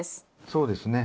そうですね。